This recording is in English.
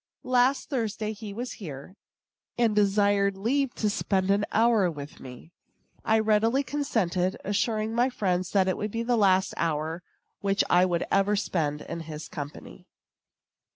Last Thursday he was here, and desired leave to spend an hour with me. I readily consented, assuring my friends it should be the last hour which I would ever spend in his company.